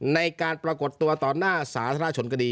ในการปรากฏตัวต่อหน้าสาธารณชนก็ดี